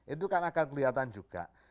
itu kan akan kelihatan juga